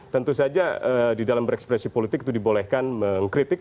tentu saja di dalam berekspresi politik itu dibolehkan mengkritik